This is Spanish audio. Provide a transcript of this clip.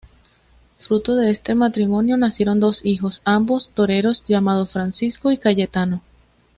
Fruto de este matrimonio nacieron dos hijos, ambos toreros llamados Francisco y Cayetano.